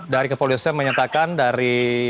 dari kepolisian menyatakan dari